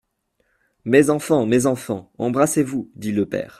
Mes enfants, mes enfants, embrassez-vous ! dit le père.